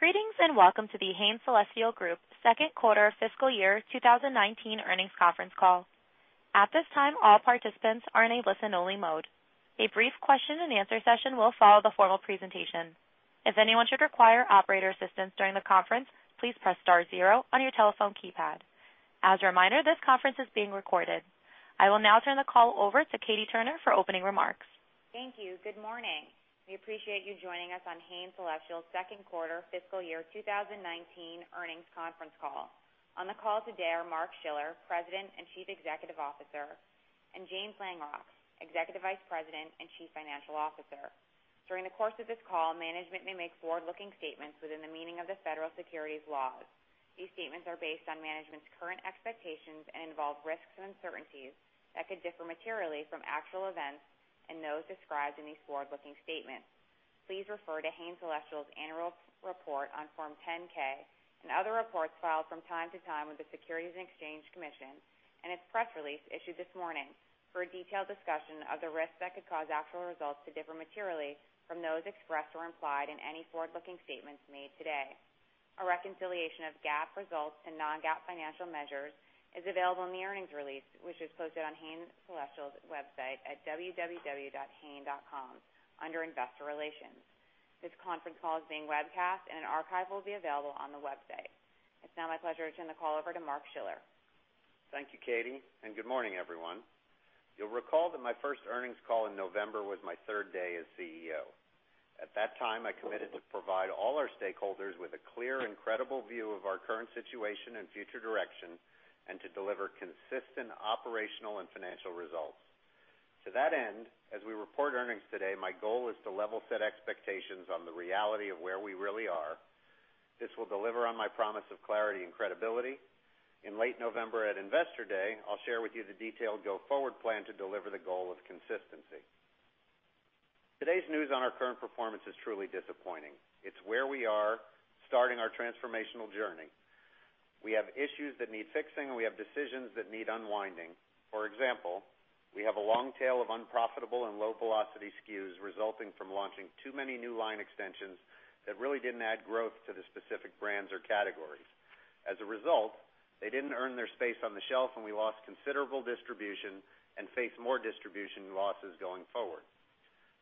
Greetings. Welcome to The Hain Celestial Group second quarter fiscal year 2019 earnings conference call. At this time, all participants are in a listen-only mode. A brief question-and-answer session will follow the formal presentation. If anyone should require operator assistance during the conference, please press star zero on your telephone keypad. As a reminder, this conference is being recorded. I will now turn the call over to Katie Turner for opening remarks. Thank you. Good morning. We appreciate you joining us on Hain Celestial's second quarter fiscal year 2019 earnings conference call. On the call today are Mark Schiller, President and Chief Executive Officer, and James Langrock, Executive Vice President and Chief Financial Officer. During the course of this call, management may make forward-looking statements within the meaning of the federal securities laws. These statements are based on management's current expectations and involve risks and uncertainties that could differ materially from actual events and those described in these forward-looking statements. Please refer to Hain Celestial's annual report on Form 10-K and other reports filed from time to time with the Securities and Exchange Commission and its press release issued this morning for a detailed discussion of the risks that could cause actual results to differ materially from those expressed or implied in any forward-looking statements made today. A reconciliation of GAAP results to non-GAAP financial measures is available in the earnings release, which is posted on Hain Celestial's website at www.hain.com under Investor Relations. This conference call is being webcast and an archive will be available on the website. It's now my pleasure to turn the call over to Mark Schiller. Thank you, Katie. Good morning, everyone. You'll recall that my first earnings call in November was my third day as CEO. At that time, I committed to provide all our stakeholders with a clear and credible view of our current situation and future direction, and to deliver consistent operational and financial results. To that end, as we report earnings today, my goal is to level-set expectations on the reality of where we really are. This will deliver on my promise of clarity and credibility. In late November at Investor Day, I'll share with you the detailed go-forward plan to deliver the goal of consistency. Today's news on our current performance is truly disappointing. It's where we are starting our transformational journey. We have issues that need fixing, and we have decisions that need unwinding. For example, we have a long tail of unprofitable and low velocity SKUs resulting from launching too many new line extensions that really didn't add growth to the specific brands or categories. As a result, they didn't earn their space on the shelf, and we lost considerable distribution and face more distribution losses going forward.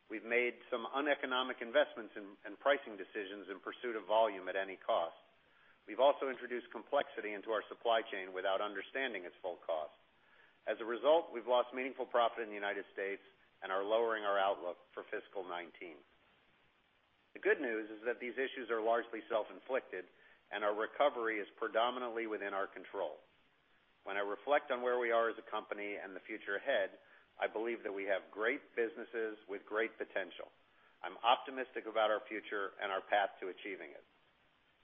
We've made some uneconomic investments and pricing decisions in pursuit of volume at any cost. We've also introduced complexity into our supply chain without understanding its full cost. As a result, we've lost meaningful profit in the U.S. and are lowering our outlook for fiscal 2019. The good news is that these issues are largely self-inflicted, and our recovery is predominantly within our control. When I reflect on where we are as a company and the future ahead, I believe that we have great businesses with great potential. I'm optimistic about our future and our path to achieving it.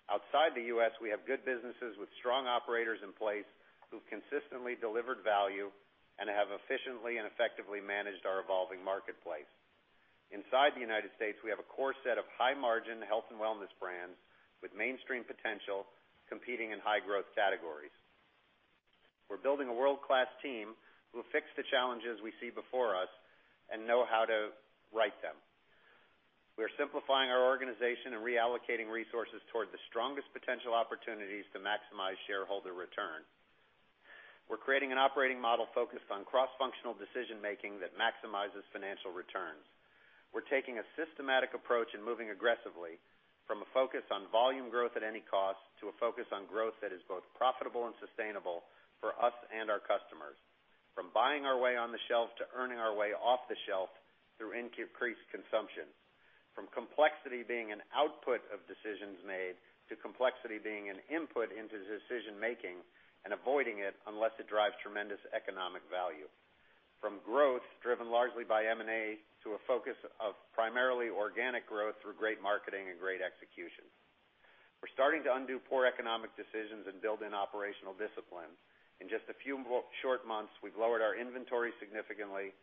Outside the U.S., we have good businesses with strong operators in place who've consistently delivered value and have efficiently and effectively managed our evolving marketplace. Inside the U.S., we have a core set of high margin health and wellness brands with mainstream potential competing in high growth categories. We're building a world-class team who will fix the challenges we see before us and know how to right them. We are simplifying our organization and reallocating resources toward the strongest potential opportunities to maximize shareholder return. We're creating an operating model focused on cross-functional decision-making that maximizes financial returns. We're taking a systematic approach and moving aggressively from a focus on volume growth at any cost to a focus on growth that is both profitable and sustainable for us and our customers. From buying our way on the shelf to earning our way off the shelf through increased consumption. From complexity being an output of decisions made, to complexity being an input into decision making and avoiding it unless it drives tremendous economic value. From growth driven largely by M&A, to a focus of primarily organic growth through great marketing and great execution. We're starting to undo poor economic decisions and build in operational discipline. In just a few short months, we've lowered our inventory significantly,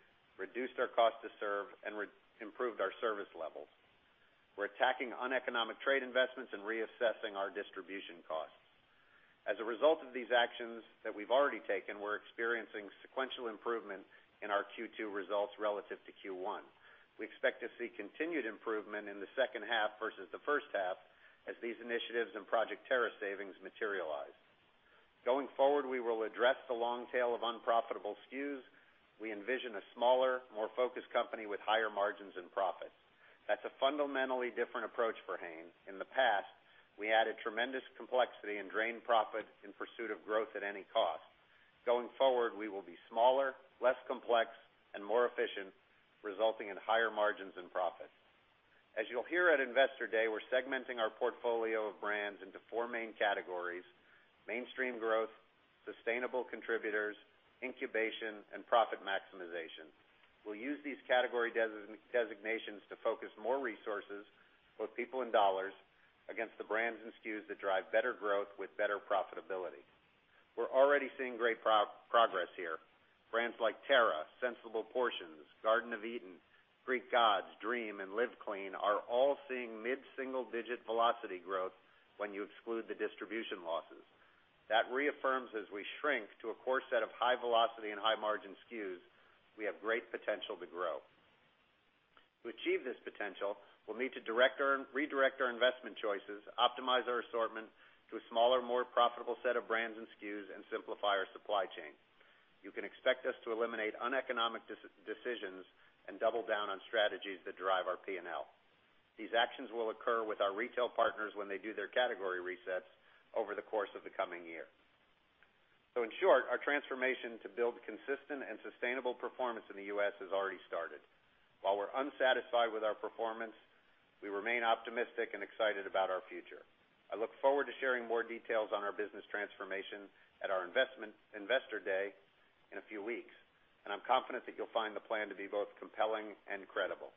reduced our cost to serve, and improved our service levels. We're attacking uneconomic trade investments and reassessing our distribution costs. As a result of these actions that we've already taken, we're experiencing sequential improvement in our Q2 results relative to Q1. We expect to see continued improvement in the second half versus the first half as these initiatives and Project Terra savings materialize. Going forward, we will address the long tail of unprofitable SKUs. We envision a smaller, more focused company with higher margins and profits. That's a fundamentally different approach for Hain. In the past, we added tremendous complexity and drained profit in pursuit of growth at any cost. Going forward, we will be smaller, less complex, and more efficient, resulting in higher margins and profits. As you'll hear at Investor Day, we're segmenting our portfolio of brands into four main categories: mainstream growth, sustainable contributors, incubation, and profit maximization. We'll use these category designations to focus more resources, both people and dollars, against the brands and SKUs that drive better growth with better profitability. We're already seeing great progress here. Brands like TERRA, Sensible Portions, Garden of Eatin', Greek Gods, DREAM, and Live Clean are all seeing mid-single digit velocity growth when you exclude the distribution losses. That reaffirms as we shrink to a core set of high velocity and high margin SKUs, we have great potential to grow. To achieve this potential, we'll need to redirect our investment choices, optimize our assortment to a smaller, more profitable set of brands and SKUs, and simplify our supply chain. You can expect us to eliminate uneconomic decisions and double down on strategies that drive our P&L. These actions will occur with our retail partners when they do their category resets over the course of the coming year. In short, our transformation to build consistent and sustainable performance in the U.S. has already started. While we're unsatisfied with our performance, we remain optimistic and excited about our future. I look forward to sharing more details on our business transformation at our investor day in a few weeks, and I'm confident that you'll find the plan to be both compelling and credible.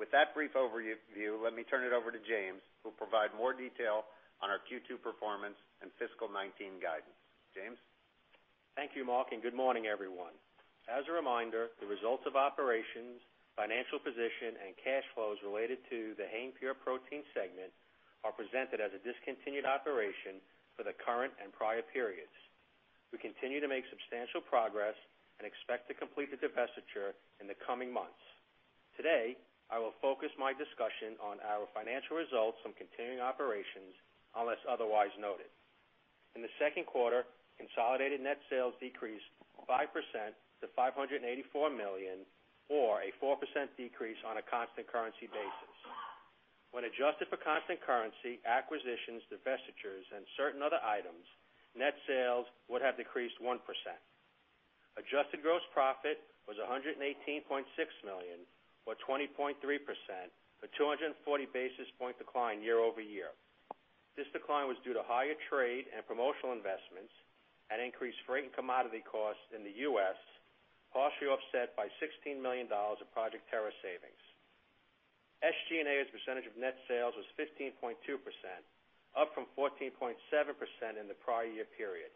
With that brief overview, let me turn it over to James, who'll provide more detail on our Q2 performance and fiscal 2019 guidance. James? Thank you, Mark, and good morning, everyone. As a reminder, the results of operations, financial position, and cash flows related to the Hain Pure Protein segment are presented as a discontinued operation for the current and prior periods. We continue to make substantial progress and expect to complete the divestiture in the coming months. Today, I will focus my discussion on our financial results from continuing operations, unless otherwise noted. In the second quarter, consolidated net sales decreased 5% to $584 million, or a 4% decrease on a constant currency basis. When adjusted for constant currency, acquisitions, divestitures, and certain other items, net sales would have decreased 1%. Adjusted gross profit was $118.6 million, or 20.3%, a 240-basis-point decline year-over-year. This decline was due to higher trade and promotional investments and increased freight and commodity costs in the U.S., partially offset by $16 million of Project Terra savings. SG&A as a percentage of net sales was 15.2%, up from 14.7% in the prior year period.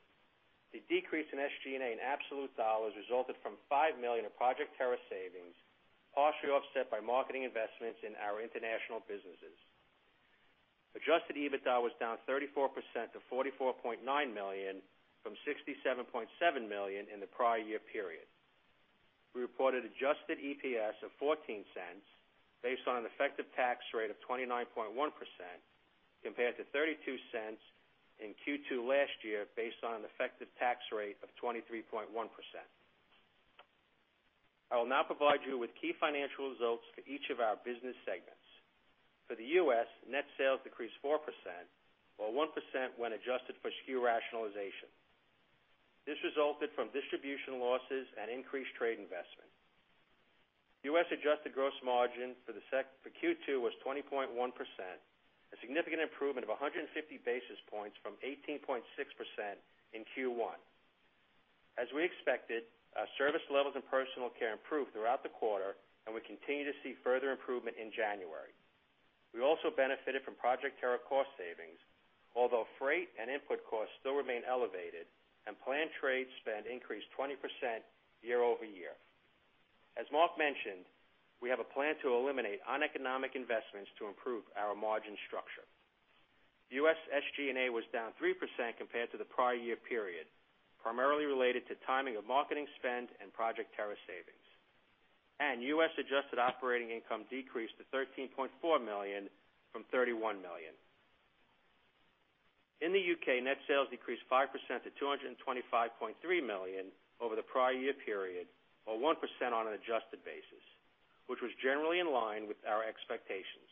The decrease in SG&A in absolute dollars resulted from $5 million of Project Terra savings, partially offset by marketing investments in our international businesses. Adjusted EBITDA was down 34% to $44.9 million, from $67.7 million in the prior year period. We reported adjusted EPS of $0.14, based on an effective tax rate of 29.1%, compared to $0.32 in Q2 last year, based on an effective tax rate of 23.1%. I will now provide you with key financial results for each of our business segments. For the U.S., net sales decreased 4%, or 1% when adjusted for SKU rationalization. This resulted from distribution losses and increased trade investment. U.S. adjusted gross margin for Q2 was 20.1%, a significant improvement of 150 basis points from 18.6% in Q1. As we expected, our service levels in personal care improved throughout the quarter, and we continue to see further improvement in January. We also benefited from Project Terra cost savings, although freight and input costs still remain elevated, and planned trade spend increased 20% year-over-year. As Mark mentioned, we have a plan to eliminate uneconomic investments to improve our margin structure. U.S. SG&A was down 3% compared to the prior year period, primarily related to timing of marketing spend and Project Terra savings. U.S. adjusted operating income decreased to $13.4 million from $31 million. In the U.K., net sales decreased 5% to $225.3 million over the prior year period, or 1% on an adjusted basis, which was generally in line with our expectations.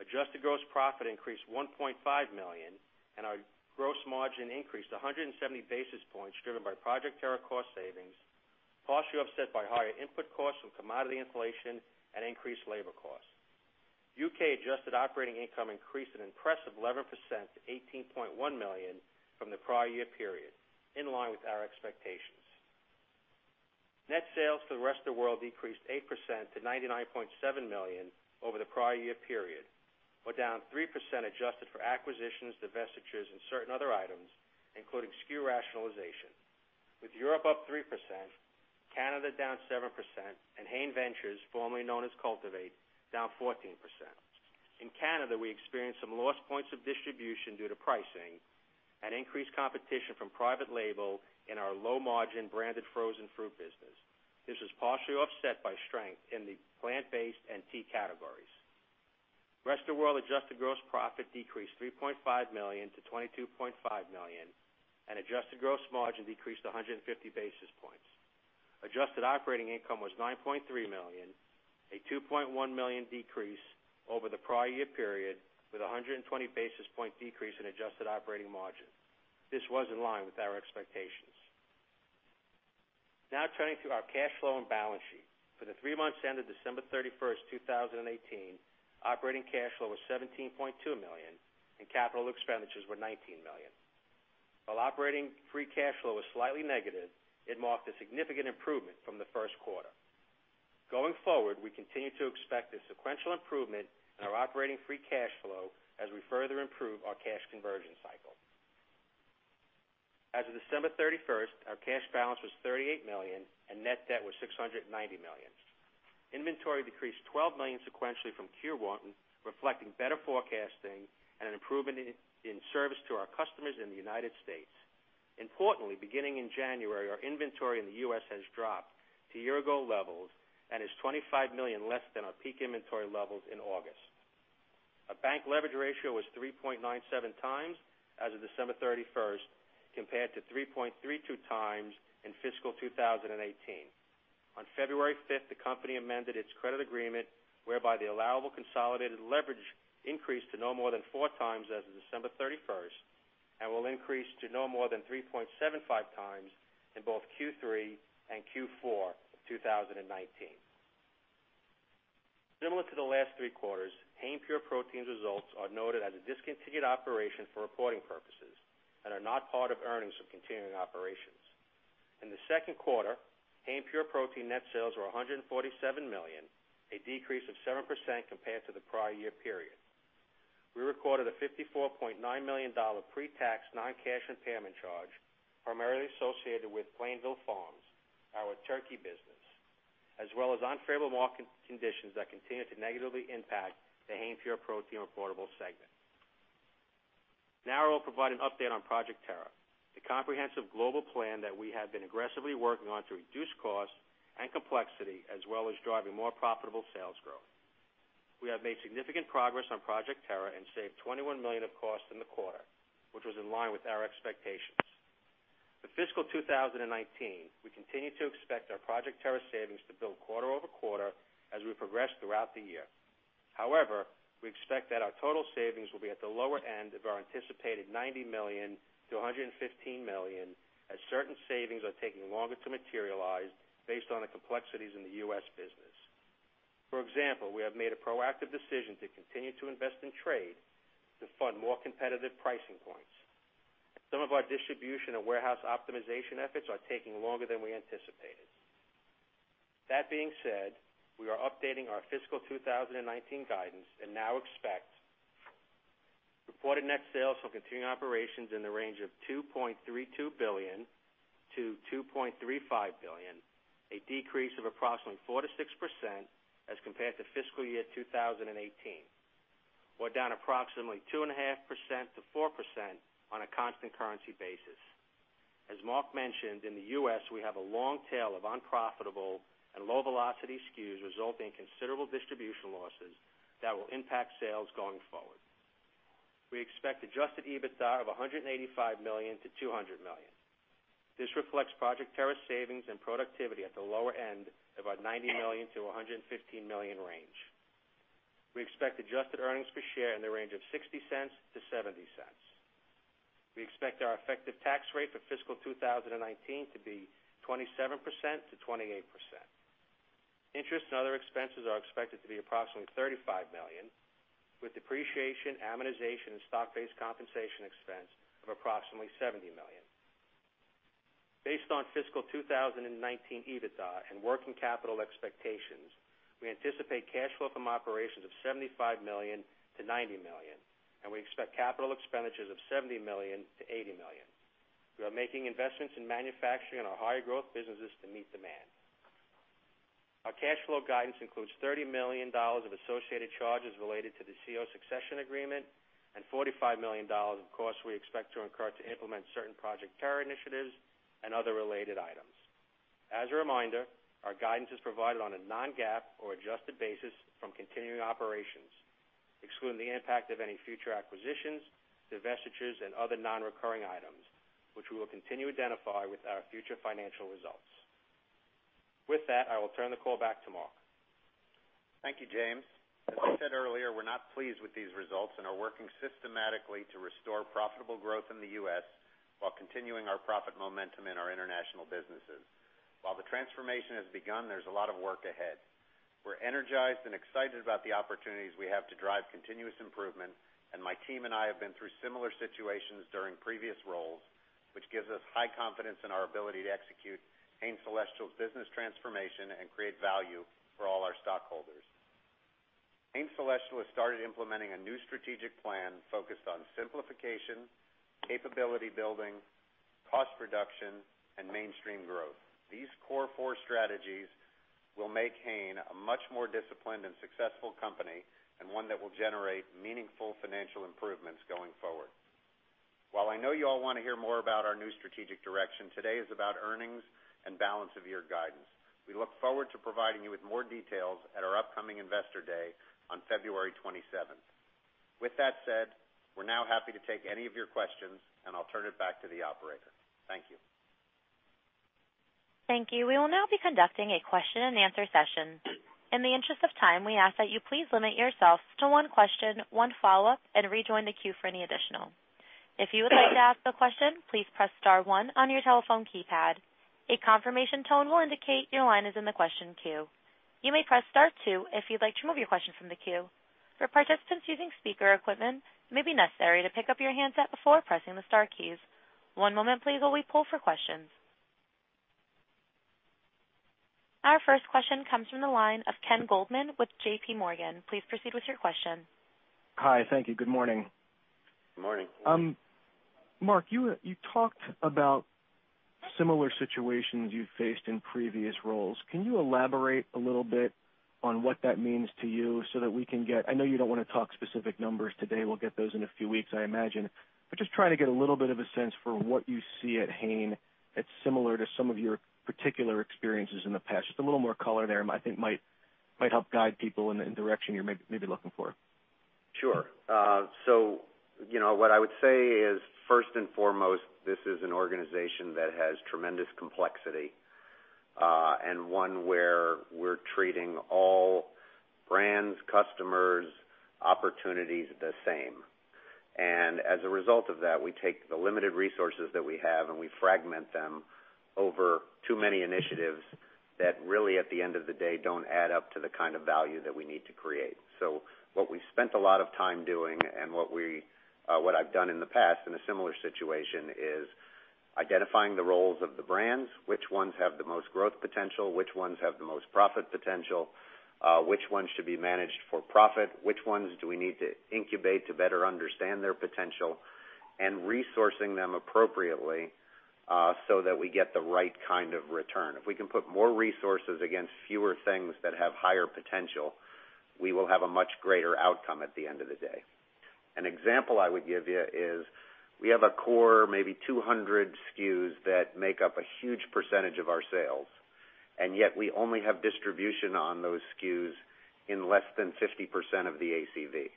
Adjusted gross profit increased $1.5 million, and our gross margin increased 170 basis points, driven by Project Terra cost savings, partially offset by higher input costs from commodity inflation and increased labor costs. U.K. adjusted operating income increased an impressive 11% to $18.1 million from the prior year period, in line with our expectations. Net sales for the rest of the world decreased 8% to $99.7 million over the prior year period, or down 3% adjusted for acquisitions, divestitures, and certain other items, including SKU rationalization. With Europe up 3%, Canada down 7%, and Hain Ventures, formerly known as Cultivate, down 14%. In Canada, we experienced some lost points of distribution due to pricing and increased competition from private label in our low-margin branded frozen fruit business. This was partially offset by strength in the plant-based and tea categories. Rest of world adjusted gross profit decreased $3.5 million-$22.5 million, and adjusted gross margin decreased 150 basis points. Adjusted operating income was $9.3 million, a $2.1 million decrease over the prior year period, with 120 basis point decrease in adjusted operating margin. This was in line with our expectations. Now turning to our cash flow and balance sheet. For the three months ended December 31st, 2018, operating cash flow was $17.2 million, and capital expenditures were $19 million. While operating free cash flow was slightly negative, it marked a significant improvement from the first quarter. Going forward, we continue to expect a sequential improvement in our operating free cash flow as we further improve our cash conversion cycle. As of December 31st, our cash balance was $38 million, and net debt was $690 million. Inventory decreased $12 million sequentially from Q1, reflecting better forecasting and an improvement in service to our customers in the United States. Importantly, beginning in January, our inventory in the U.S. has dropped to year-ago levels and is 25 million less than our peak inventory levels in August. Our bank leverage ratio was 3.97 times as of December 31st, compared to 3.32 times in fiscal 2018. On February 5th, the company amended its credit agreement, whereby the allowable consolidated leverage increased to no more than four times as of December 31st, and will increase to no more than 3.75x in both Q3 and Q4 of 2019. Similar to the last three quarters, Hain Pure Protein's results are noted as a discontinued operation for reporting purposes and are not part of earnings from continuing operations. In the second quarter, Hain Pure Protein net sales were $147 million, a decrease of 7% compared to the prior year period. We recorded a $54.9 million pre-tax non-cash impairment charge, primarily associated with Plainville Farms, our turkey business, as well as unfavorable market conditions that continue to negatively impact the Hain Pure Protein reportable segment. I will provide an update on Project Terra, the comprehensive global plan that we have been aggressively working on to reduce cost and complexity, as well as driving more profitable sales growth. We have made significant progress on Project Terra and saved $21 million of cost in the quarter, which was in line with our expectations. For fiscal 2019, we continue to expect our Project Terra savings to build quarter-over-quarter as we progress throughout the year. We expect that our total savings will be at the lower end of our anticipated $90 million-$115 million, as certain savings are taking longer to materialize based on the complexities in the U.S. business. We have made a proactive decision to continue to invest in trade to fund more competitive pricing points. Some of our distribution and warehouse optimization efforts are taking longer than we anticipated. We are updating our fiscal 2019 guidance and now expect reported net sales from continuing operations in the range of $2.32 billion-$2.35 billion, a decrease of approximately 4%-6% as compared to fiscal year 2018, or down approximately 2.5%-4% on a constant currency basis. As Mark mentioned, in the U.S., we have a long tail of unprofitable and low velocity SKUs, resulting in considerable distribution losses that will impact sales going forward. We expect Adjusted EBITDA of $185 million-$200 million. This reflects Project Terra savings and productivity at the lower end of our $90 million-$115 million range. We expect adjusted earnings per share in the range of $0.60-$0.70. We expect our effective tax rate for fiscal 2019 to be 27%-28%. Interest and other expenses are expected to be approximately $35 million, with depreciation, amortization, and stock-based compensation expense of approximately $70 million. Based on fiscal 2019 EBITDA and working capital expectations, we anticipate Cash Flow from Operations of $75 million-$90 million, and we expect capital expenditures of $70 million-$80 million. We are making investments in manufacturing in our higher growth businesses to meet demand. Our cash flow guidance includes $30 million of associated charges related to the CEO succession agreement and $45 million of costs we expect to incur to implement certain Project Terra initiatives and other related items. As a reminder, our guidance is provided on a non-GAAP or adjusted basis from continuing operations, excluding the impact of any future acquisitions, divestitures, and other non-recurring items, which we will continue to identify with our future financial results. I will turn the call back to Mark. Thank you, James. As I said earlier, we're not pleased with these results and are working systematically to restore profitable growth in the U.S. while continuing our profit momentum in our international businesses. While the transformation has begun, there's a lot of work ahead. We're energized and excited about the opportunities we have to drive continuous improvement, and my team and I have been through similar situations during previous roles, which gives us high confidence in our ability to execute Hain Celestial's business transformation and create value for all our stockholders. Hain Celestial has started implementing a new strategic plan focused on simplification, capability building, cost reduction, and mainstream growth. These core four strategies will make Hain a much more disciplined and successful company, and one that will generate meaningful financial improvements going forward. While I know you all want to hear more about our new strategic direction, today is about earnings and balance of year guidance. We look forward to providing you with more details at our upcoming Investor Day on February 27th. With that said, we're now happy to take any of your questions, and I'll turn it back to the operator. Thank you. Thank you. We will now be conducting a question and answer session. In the interest of time, we ask that you please limit yourself to one question, one follow-up, and rejoin the queue for any additional. If you would like to ask a question, please press star one on your telephone keypad. A confirmation tone will indicate your line is in the question queue. You may press start two if you'd like to remove your question from the queue. For participants using speaker equipment, it may be necessary to pick up your handset before pressing the star keys. One moment please while we pull for questions. Our first question comes from the line of Ken Goldman with JPMorgan. Please proceed with your question. Hi. Thank you. Good morning. Good morning. Mark, you talked about similar situations you've faced in previous roles. Can you elaborate a little bit on what that means to you so that we can get I know you don't want to talk specific numbers today. We'll get those in a few weeks, I imagine, just trying to get a little bit of a sense for what you see at Hain that's similar to some of your particular experiences in the past. Just a little more color there, I think might help guide people in the direction you're maybe looking for. Sure. What I would say is, first and foremost, this is an organization that has tremendous complexity, one where we're treating all brands, customers, opportunities the same. As a result of that, we take the limited resources that we have, and we fragment them over too many initiatives that really, at the end of the day, don't add up to the kind of value that we need to create. What we spent a lot of time doing and what I've done in the past in a similar situation is identifying the roles of the brands, which ones have the most growth potential, which ones have the most profit potential, which ones should be managed for profit, which ones do we need to incubate to better understand their potential, and resourcing them appropriately, that we get the right kind of return. If we can put more resources against fewer things that have higher potential, we will have a much greater outcome at the end of the day. An example I would give you is we have a core, maybe 200 SKUs that make up a huge percentage of our sales, yet we only have distribution on those SKUs in less than 50% of the ACV.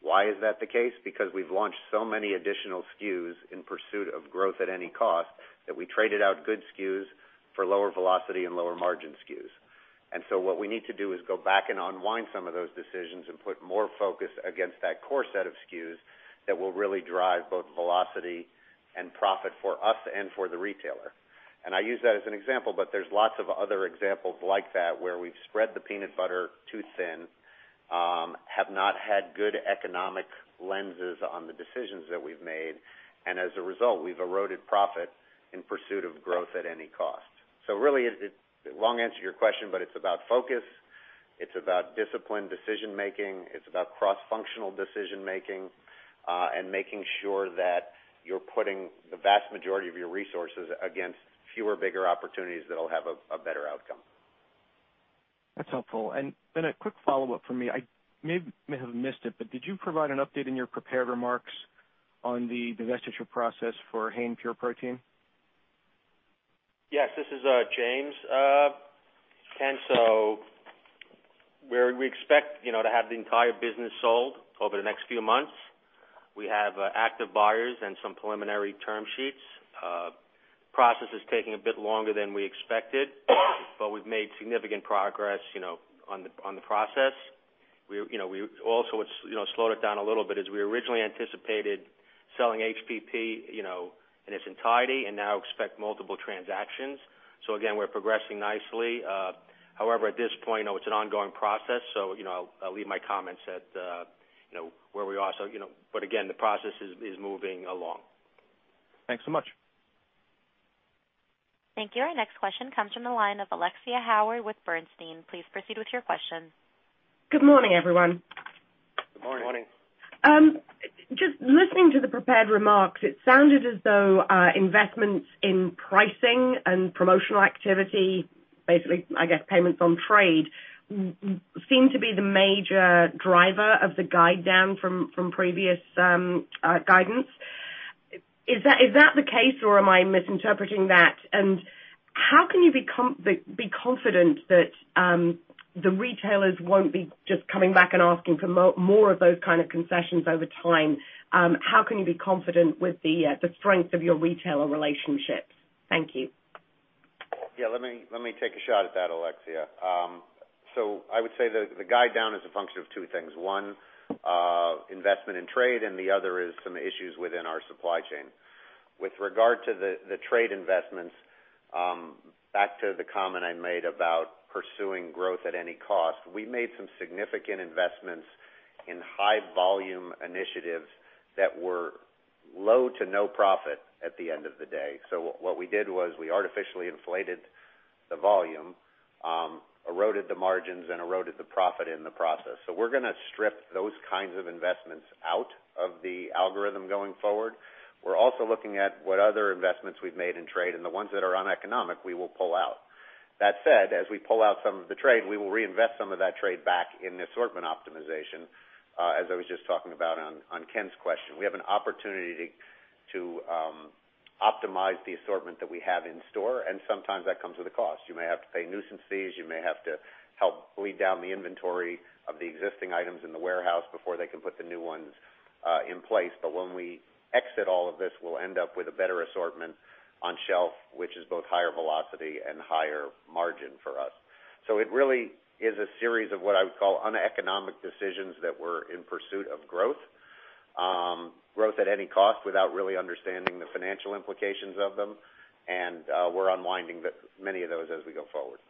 Why is that the case? Because we've launched so many additional SKUs in pursuit of growth at any cost that we traded out good SKUs for lower velocity and lower margin SKUs. What we need to do is go back and unwind some of those decisions and put more focus against that core set of SKUs that will really drive both velocity and profit for us and for the retailer. I use that as an example, but there's lots of other examples like that where we've spread the peanut butter too thin, have not had good economic lenses on the decisions that we've made, and as a result, we've eroded profit in pursuit of growth at any cost. Really, long answer to your question, but it's about focus, it's about disciplined decision-making, it's about cross-functional decision-making, and making sure that you're putting the vast majority of your resources against fewer, bigger opportunities that'll have a better outcome. That's helpful. Then a quick follow-up from me. I may have missed it, but did you provide an update in your prepared remarks on the divestiture process for Hain Pure Protein? Yes, this is James. We expect to have the entire business sold over the next few months. We have active buyers and some preliminary term sheets. Process is taking a bit longer than we expected, but we've made significant progress on the process. We also slowed it down a little bit as we originally anticipated selling HPP in its entirety and now expect multiple transactions. Again, we're progressing nicely. However, at this point, it's an ongoing process, so I'll leave my comments at where we are. Again, the process is moving along. Thanks so much. Thank you. Our next question comes from the line of Alexia Howard with Bernstein. Please proceed with your question. Good morning, everyone. Good morning. Good morning. Just listening to the prepared remarks, it sounded as though investments in pricing and promotional activity, basically, I guess payments on trade, seem to be the major driver of the guide down from previous guidance. Is that the case, or am I misinterpreting that? How can you be confident that the retailers won't be just coming back and asking for more of those kind of concessions over time? How can you be confident with the strength of your retailer relationships? Thank you. Yeah. Let me take a shot at that, Alexia. I would say that the guide down is a function of two things. One, investment in trade. The other is some issues within our supply chain. With regard to the trade investments, back to the comment I made about pursuing growth at any cost. We made some significant investments in high volume initiatives that were low to no profit at the end of the day. What we did was we artificially inflated the volume, eroded the margins and eroded the profit in the process. We're going to strip those kinds of investments out of the algorithm going forward. We're also looking at what other investments we've made in trade, and the ones that are uneconomic, we will pull out. That said, as we pull out some of the trade, we will reinvest some of that trade back in the assortment optimization, as I was just talking about on Ken's question. We have an opportunity to optimize the assortment that we have in store, and sometimes that comes with a cost. You may have to pay nuisance fees, you may have to help bleed down the inventory of the existing items in the warehouse before they can put the new ones in place. When we exit all of this, we'll end up with a better assortment on shelf, which is both higher velocity and higher margin for us. It really is a series of what I would call uneconomic decisions that were in pursuit of growth. Growth at any cost without really understanding the financial implications of them, and we're unwinding many of those as we go forward.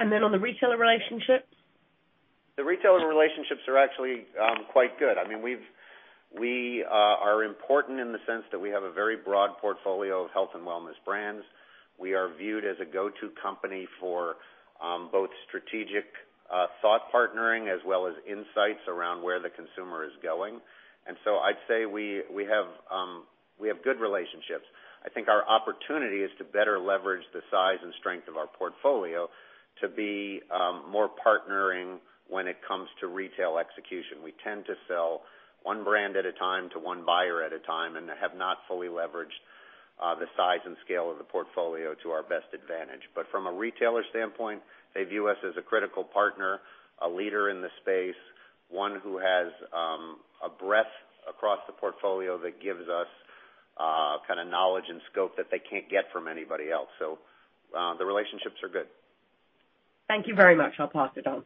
On the retailer relationships? The retailer relationships are actually quite good. We are important in the sense that we have a very broad portfolio of health and wellness brands. We are viewed as a go-to company for both strategic thought partnering as well as insights around where the consumer is going. I'd say we have good relationships. I think our opportunity is to better leverage the size and strength of our portfolio to be more partnering when it comes to retail execution. We tend to sell one brand at a time to one buyer at a time and have not fully leveraged the size and scale of the portfolio to our best advantage. From a retailer standpoint, they view us as a critical partner, a leader in the space, one who has a breadth across the portfolio that gives us knowledge and scope that they can't get from anybody else. The relationships are good. Thank you very much. I'll pass it on.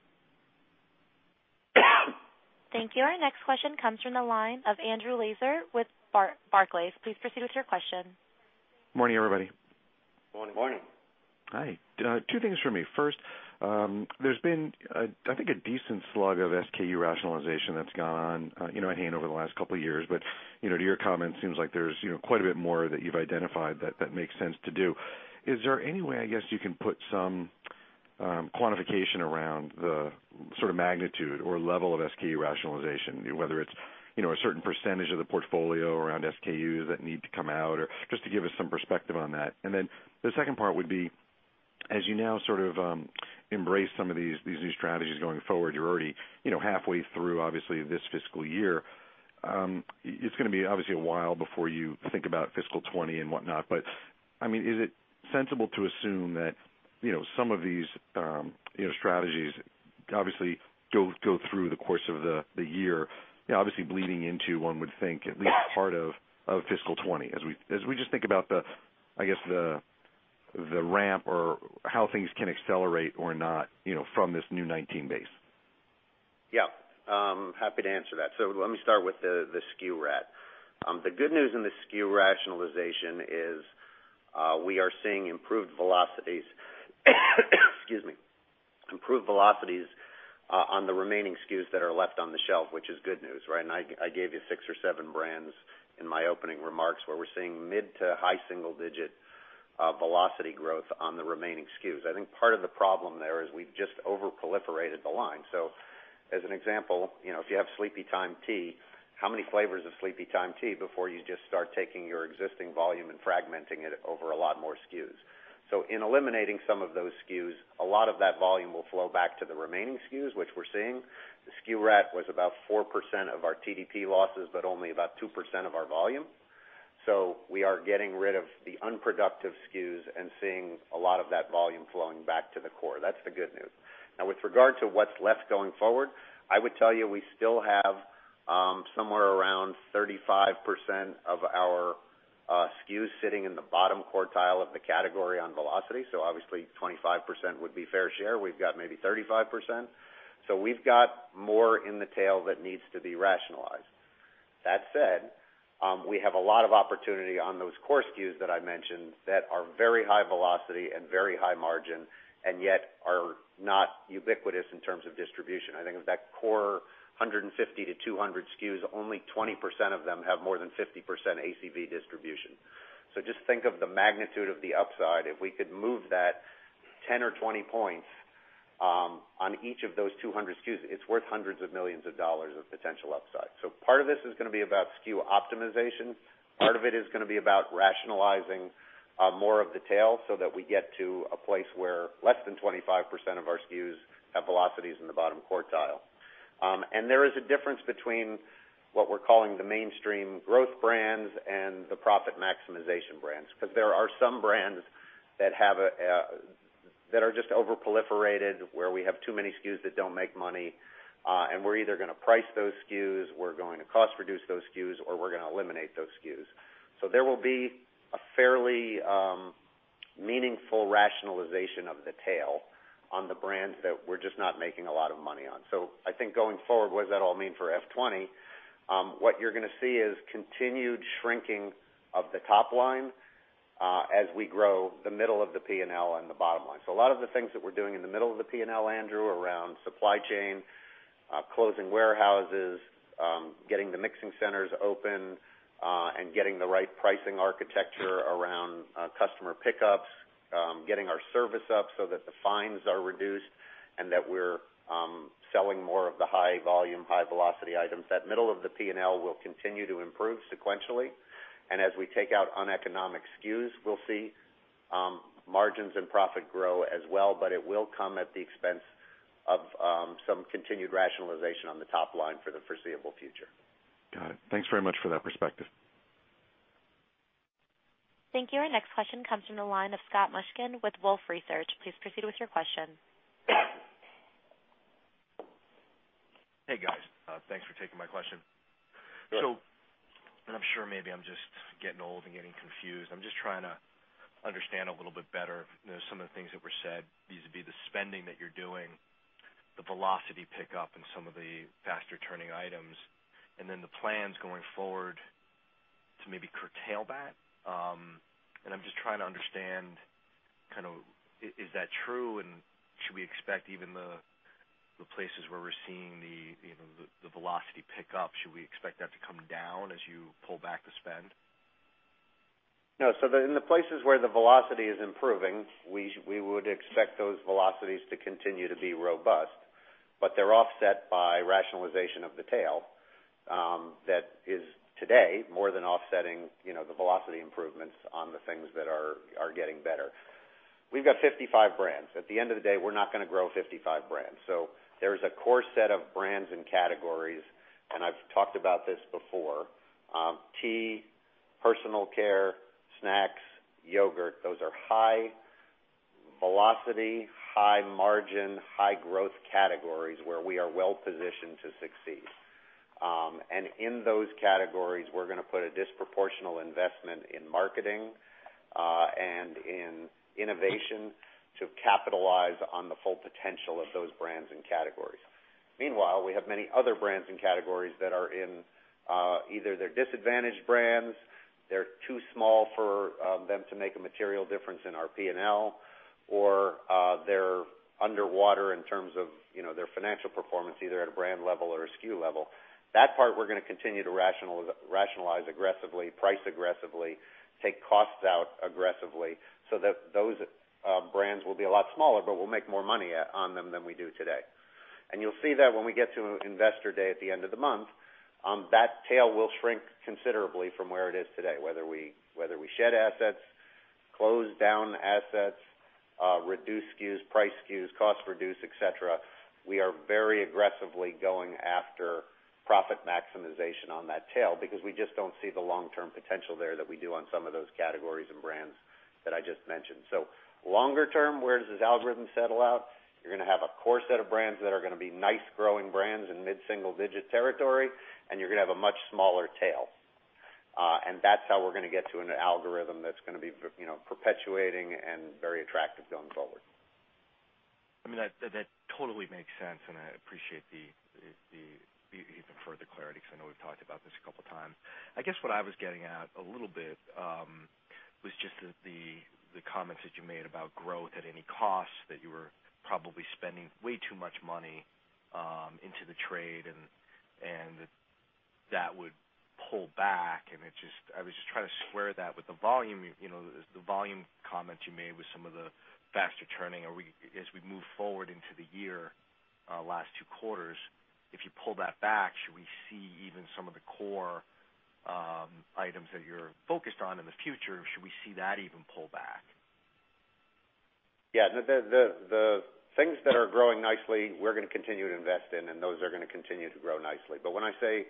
Thank you. Our next question comes from the line of Andrew Lazar with Barclays. Please proceed with your question. Morning, everybody. Good morning. Morning. Hi. Two things for me. First, there's been, I think, a decent slug of SKU rationalization that's gone in hand over the last two years. To your comment, seems like there's quite a bit more that you've identified that makes sense to do. Is there any way, I guess, you can put some quantification around the magnitude or level of SKU rationalization, whether it's a certain percentage of the portfolio around SKUs that need to come out or just to give us some perspective on that. Then the second part would be, as you now embrace some of these new strategies going forward, you're already halfway through, obviously, this fiscal year. It's going to be obviously a while before you think about fiscal 2020 and whatnot. Is it sensible to assume that some of these strategies obviously go through the course of the year, obviously bleeding into, one would think, at least part of fiscal 2020. As we just think about the ramp or how things can accelerate or not from this new 2019 base. Happy to answer that. Let me start with the SKU rat. The good news in the SKU rationalization is we are seeing improved velocities excuse me, on the remaining SKUs that are left on the shelf, which is good news. I gave you six or seven brands in my opening remarks where we're seeing mid to high single digit velocity growth on the remaining SKUs. I think part of the problem there is we've just over-proliferated the line. As an example, if you have Sleepytime Tea, how many flavors of Sleepytime Tea before you just start taking your existing volume and fragmenting it over a lot more SKUs? In eliminating some of those SKUs, a lot of that volume will flow back to the remaining SKUs, which we're seeing. The SKU rat was about 4% of our TDP losses, but only about 2% of our volume. We are getting rid of the unproductive SKUs and seeing a lot of that volume flowing back to the core. That's the good news. With regard to what's left going forward, I would tell you we still have somewhere around 35% of our SKUs sitting in the bottom quartile of the category on velocity. Obviously 25% would be fair share. We've got maybe 35%. We've got more in the tail that needs to be rationalized. That said, we have a lot of opportunity on those core SKUs that I mentioned that are very high velocity and very high margin, and yet are not ubiquitous in terms of distribution. I think of that core 150-200 SKUs, only 20% of them have more than 50% ACV distribution. Just think of the magnitude of the upside. If we could move that 10 or 20 points on each of those 200 SKUs, it's worth $hundreds of millions of potential upside. Part of this is going to be about SKU optimization. Part of it is going to be about rationalizing more of the tail so that we get to a place where less than 25% of our SKUs have velocities in the bottom quartile. There is a difference between what we're calling the mainstream growth brands and the profit maximization brands. There are some brands that are just over-proliferated, where we have too many SKUs that don't make money, and we're either going to price those SKUs, we're going to cost reduce those SKUs, or we're going to eliminate those SKUs. There will be a fairly meaningful rationalization of the tail on the brands that we're just not making a lot of money on. I think going forward, what does that all mean for FY 2020? What you're going to see is continued shrinking of the top line as we grow the middle of the P&L and the bottom line. A lot of the things that we're doing in the middle of the P&L, Andrew, around supply chain, closing warehouses, getting the mixing centers open, and getting the right pricing architecture around customer pickups, getting our service up so that the fines are reduced and that we're selling more of the high volume, high velocity items. That middle of the P&L will continue to improve sequentially. As we take out uneconomic SKUs, we'll see margins and profit grow as well, but it will come at the expense of some continued rationalization on the top line for the foreseeable future. Got it. Thanks very much for that perspective. Thank you. Our next question comes from the line of Scott Mushkin with Wolfe Research. Please proceed with your question. Hey, guys. Thanks for taking my question. Yeah. I'm sure maybe I'm just getting old and getting confused. I'm just trying to understand a little bit better some of the things that were said, vis-à-vis the spending that you're doing, the velocity pickup in some of the faster turning items, then the plans going forward to maybe curtail that. I'm just trying to understand, is that true, and should we expect even the places where we're seeing the velocity pick up, should we expect that to come down as you pull back the spend? No. In the places where the velocity is improving, we would expect those velocities to continue to be robust, but they're offset by rationalization of the tail, that is today, more than offsetting the velocity improvements on the things that are getting better. We've got 55 brands. At the end of the day, we're not going to grow 55 brands. There's a core set of brands and categories, and I've talked about this before. Tea, personal care, snacks, yogurt, those are high velocity, high margin, high growth categories where we are well positioned to succeed. In those categories, we're going to put a disproportional investment in marketing, and in innovation to capitalize on the full potential of those brands and categories. Meanwhile, we have many other brands and categories that are in, either they're disadvantaged brands, they're too small for them to make a material difference in our P&L, or they're underwater in terms of their financial performance, either at a brand level or a SKU level. That part, we're going to continue to rationalize aggressively, price aggressively, take costs out aggressively so that those brands will be a lot smaller, but we'll make more money on them than we do today. You'll see that when we get to Investor Day at the end of the month, that tail will shrink considerably from where it is today. Whether we shed assets, close down assets, reduce SKUs, price SKUs, cost reduce, etc. We are very aggressively going after profit maximization on that tail because we just don't see the long-term potential there that we do on some of those categories and brands that I just mentioned. Longer term, where does this algorithm settle out? You're going to have a core set of brands that are going to be nice growing brands in mid-single digit territory, and you're going to have a much smaller tail. That's how we're going to get to an algorithm that's going to be perpetuating and very attractive going forward. That totally makes sense. I appreciate the even further clarity, because I know we've talked about this a couple of times. I guess what I was getting at a little bit, was just that the comments that you made about growth at any cost, that you were probably spending way too much money into the trade and that would pull back. I was just trying to square that with the volume comments you made with some of the faster turning as we move forward into the year, last two quarters. If you pull that back, should we see even some of the core items that you're focused on in the future, should we see that even pull back? Yeah. The things that are growing nicely, we're going to continue to invest in. Those are going to continue to grow nicely. When I say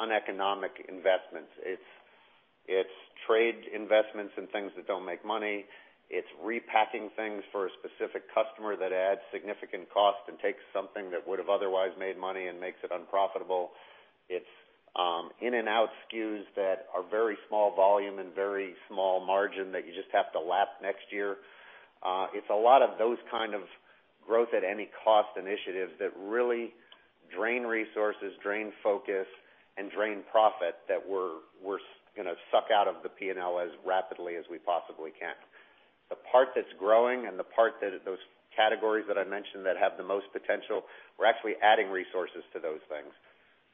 uneconomic investments, it's trade investments and things that don't make money. It's repacking things for a specific customer that adds significant cost and takes something that would have otherwise made money and makes it unprofitable. It's in and out SKUs that are very small volume and very small margin that you just have to lap next year. It's a lot of those kind of growth at any cost initiatives that really drain resources, drain focus, and drain profit that we're going to suck out of the P&L as rapidly as we possibly can. The part that's growing and the part that those categories that I mentioned that have the most potential, we're actually adding resources to those things.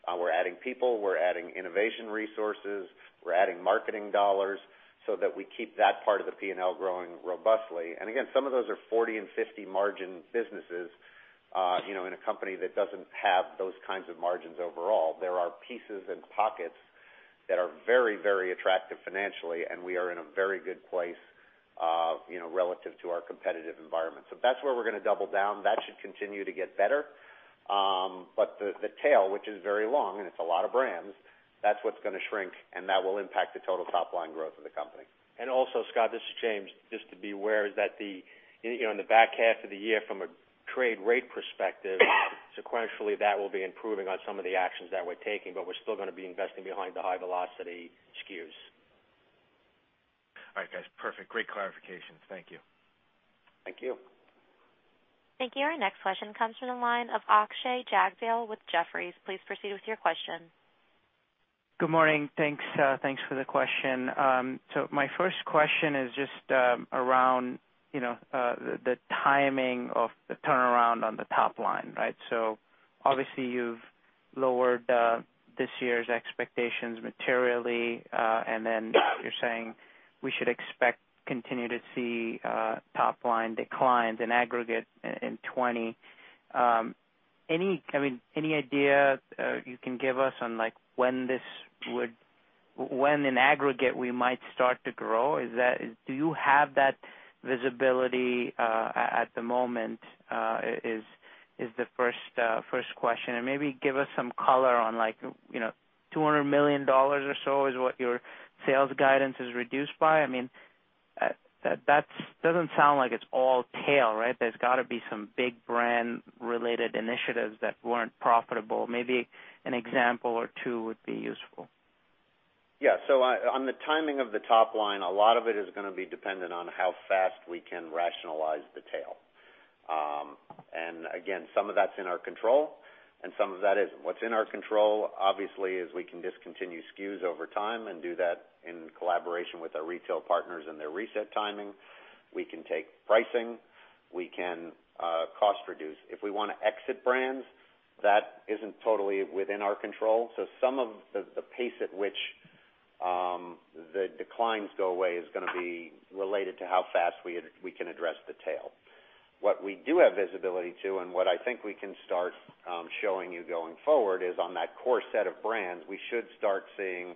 We're adding people, we're adding innovation resources, we're adding marketing dollars so that we keep that part of the P&L growing robustly. Again, some of those are 40 and 50 margin businesses, in a company that doesn't have those kinds of margins overall. There are pieces and pockets that are very, very attractive financially. We are in a very good place relative to our competitive environment. That's where we're going to double down. That should continue to get better. The tail, which is very long and it's a lot of brands, that's what's going to shrink. That will impact the total top line growth of the company. Also, Scott, this is James. Just to be aware that in the back half of the year from a trade rate perspective, sequentially, that will be improving on some of the actions that we're taking. We're still going to be investing behind the high velocity SKUs. All right, guys. Perfect. Great clarification. Thank you. Thank you. Thank you. Our next question comes from the line of Akshay Jagdale with Jefferies. Please proceed with your question. Good morning. Thanks for the question. My first question is just around the timing of the turnaround on the top line. Obviously you've lowered this year's expectations materially. Then you're saying we should expect continue to see top line declines in aggregate in 2020. Any idea you can give us on when in aggregate we might start to grow? Do you have that visibility at the moment? Is the first question. Maybe give us some color on $200 million or so is what your sales guidance is reduced by. That doesn't sound like it's all tail, right? There's got to be some big brand related initiatives that weren't profitable. Maybe an example or two would be useful. On the timing of the top line, a lot of it is going to be dependent on how fast we can rationalize the tail. And again, some of that's in our control and some of that isn't. What's in our control, obviously, is we can discontinue SKUs over time and do that in collaboration with our retail partners and their reset timing. We can take pricing. We can cost reduce. If we want to exit brands, that isn't totally within our control. Some of the pace at which the declines go away is going to be related to how fast we can address the tail. What we do have visibility to, and what I think we can start showing you going forward, is on that core set of brands, we should start seeing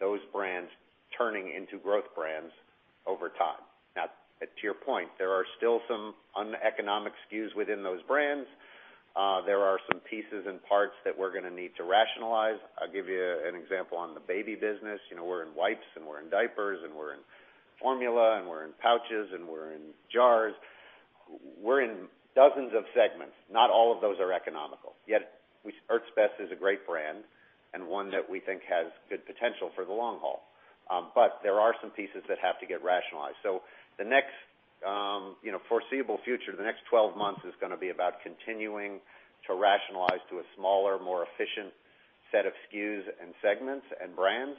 those brands turning into growth brands over time. Now, to your point, there are still some uneconomic SKUs within those brands. There are some pieces and parts that we're going to need to rationalize. I'll give you an example on the baby business. We're in wipes and we're in diapers and we're in formula and we're in pouches and we're in jars. We're in dozens of segments. Not all of those are economical, yet Earth's Best is a great brand and one that we think has good potential for the long haul. There are some pieces that have to get rationalized. The next foreseeable future, the next 12 months, is going to be about continuing to rationalize to a smaller, more efficient set of SKUs and segments and brands.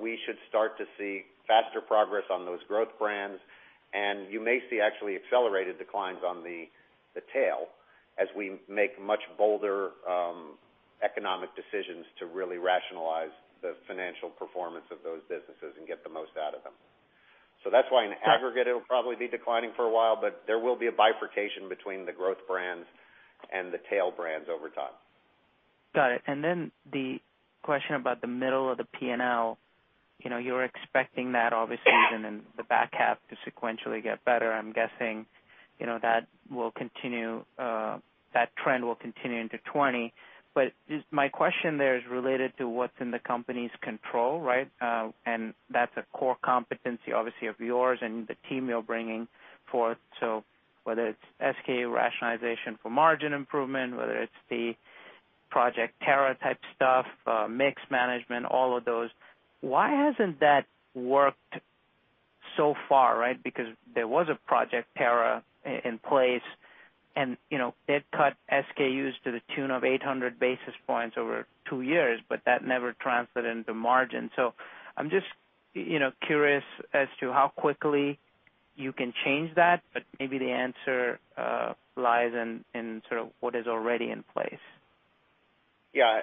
We should start to see faster progress on those growth brands, and you may see actually accelerated declines on the tail as we make much bolder economic decisions to really rationalize the financial performance of those businesses and get the most out of them. That's why in aggregate, it'll probably be declining for a while, but there will be a bifurcation between the growth brands and the tail brands over time. Got it. The question about the middle of the P&L. You're expecting that obviously even in the back half to sequentially get better. I'm guessing that trend will continue into 2020. My question there is related to what's in the company's control, right? That's a core competency, obviously, of yours and the team you're bringing forth. Whether it's SKU rationalization for margin improvement, whether it's the Project Terra type stuff, mix management, all of those, why hasn't that worked so far, right? Because there was a Project Terra in place, and it cut SKUs to the tune of 800 basis points over two years, but that never translated into margin. I'm just curious as to how quickly you can change that. Maybe the answer lies in sort of what is already in place. Yeah.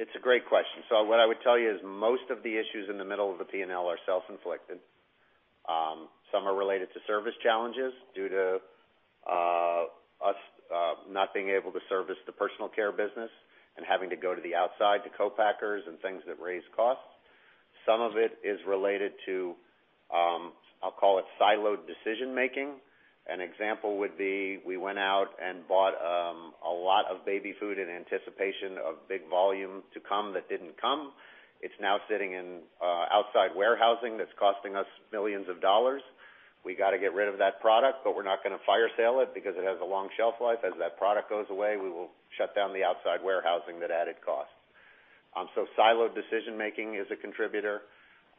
It's a great question. What I would tell you is most of the issues in the middle of the P&L are self-inflicted. Some are related to service challenges due to us not being able to service the personal care business and having to go to the outside to co-packers and things that raise costs. Some of it is related to, I'll call it siloed decision making. An example would be we went out and bought a lot of baby food in anticipation of big volume to come that didn't come. It's now sitting in outside warehousing that's costing us millions of dollars. We got to get rid of that product, but we're not going to fire sale it because it has a long shelf life. As that product goes away, we will shut down the outside warehousing that added cost. Siloed decision making is a contributor.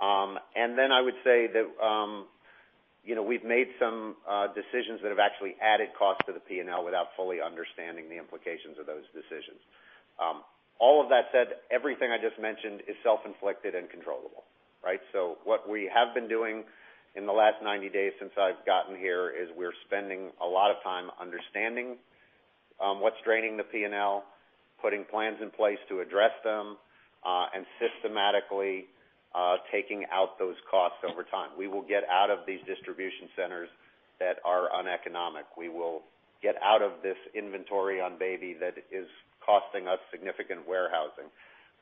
I would say that we've made some decisions that have actually added cost to the P&L without fully understanding the implications of those decisions. All of that said, everything I just mentioned is self-inflicted and controllable, right? What we have been doing in the last 90 days since I've gotten here is we're spending a lot of time understanding what's draining the P&L, putting plans in place to address them, and systematically taking out those costs over time. We will get out of these distribution centers that are uneconomic. We will get out of this inventory on baby that is costing us significant warehousing.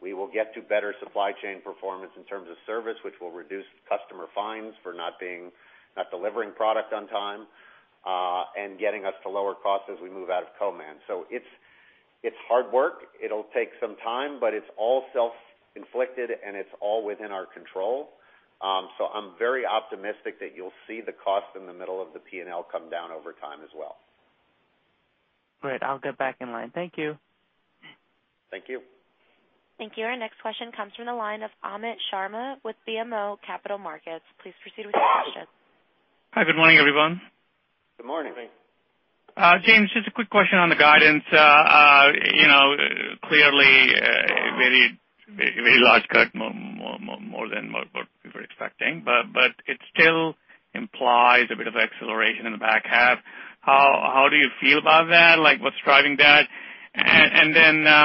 We will get to better supply chain performance in terms of service, which will reduce customer fines for not delivering product on time, and getting us to lower costs as we move out of co-man. It's hard work. It'll take some time, it's all self-inflicted, and it's all within our control. I'm very optimistic that you'll see the cost in the middle of the P&L come down over time as well. Great. I'll get back in line. Thank you. Thank you. Thank you. Our next question comes from the line of Amit Sharma with BMO Capital Markets. Please proceed with your question. Hi. Good morning, everyone. Good morning. James, just a quick question on the guidance. Clearly, very large cut, more than what we were expecting, but it still implies a bit of acceleration in the back half. How do you feel about that? What's driving that?